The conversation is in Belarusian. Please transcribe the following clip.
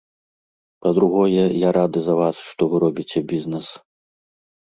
Па-другое, я рады за вас, што вы робіце бізнэс.